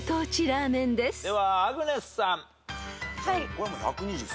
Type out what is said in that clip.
はい。